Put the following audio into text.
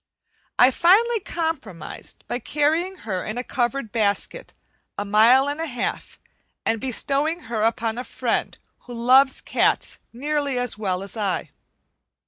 I finally compromised by carrying her in a covered basket a mile and a half and bestowing her upon a friend who loves cats nearly as well as I.